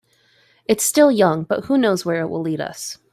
It's still young, but who knows where it will lead us.